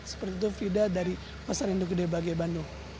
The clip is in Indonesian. seperti itu frida dari pasar indogedebagi bandung